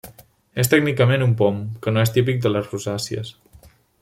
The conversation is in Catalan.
És tècnicament un pom, que no és típic de les rosàcies.